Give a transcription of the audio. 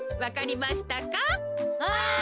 はい！